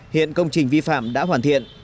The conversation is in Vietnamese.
hiện công trình vi phạm đã hoàn thiện